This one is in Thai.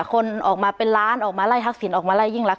คนออกมาเป็นล้านออกมาไล่ทักษิณออกมาไล่ยิ่งรัก